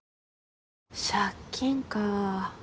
借金か。